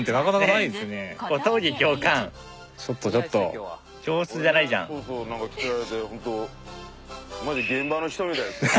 これねそうそうなんか着せられてホントマジ現場の人みたいですよね。